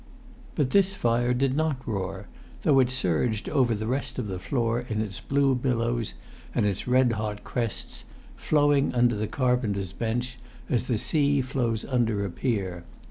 But this fire did not roar, though it surged over the rest of the floor in its blue billows and its red hot crests, flowing under the carpenter's bench as the sea flows under a pier.